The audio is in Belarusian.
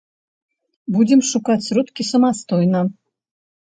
Будзем шукаць сродкі самастойна.